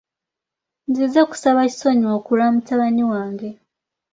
Nzize kusaba kisonyiwo ku lwa mutabani wange.